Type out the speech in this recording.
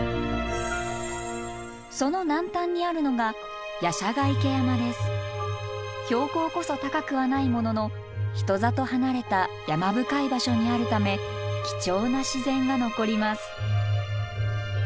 その南端にあるのが標高こそ高くはないものの人里離れた山深い場所にあるため貴重な自然が残ります。